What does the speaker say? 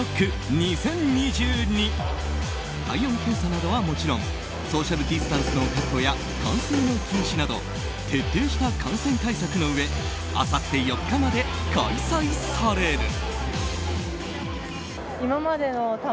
体温検査などはもちろんソーシャルディスタンスの確保や歓声の禁止など徹底した感染対策のうえあさって４日まで開催される。